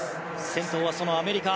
先頭はアメリカ。